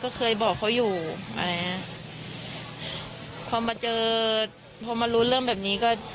ก็เคยบอกเขาอยู่อะไรอย่างเงี้ยพอมาเจอพอมารู้เรื่องแบบนี้ก็